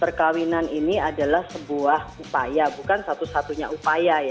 perkawinan ini adalah sebuah upaya bukan satu satunya upaya ya